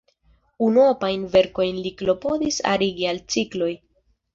Unuopajn verkojn li klopodis arigi al cikloj.